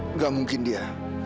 enggak mungkin dia